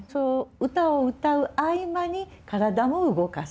歌を歌う合間に体も動かす。